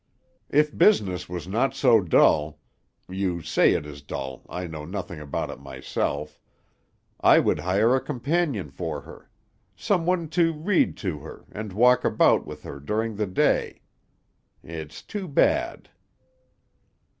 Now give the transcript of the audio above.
If business was not so dull you say it is dull; I know nothing about it myself I would hire a companion for her; someone to read to her, and walk about with her during the day. It's too bad."